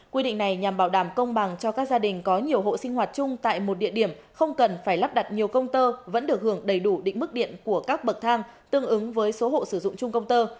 quy định này nhằm bảo đảm công bằng cho các gia đình có nhiều hộ sinh hoạt chung tại một địa điểm không cần phải lắp đặt nhiều công tơ vẫn được hưởng đầy đủ định mức điện của các bậc thang tương ứng với số hộ sử dụng chung công tơ